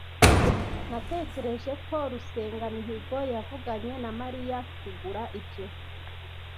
Natekereje ko Rusengamihigo yavuganye na Mariya kugura ibyo.